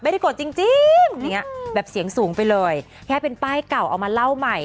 อ้าวตอนแรกปลดลงไปแล้ว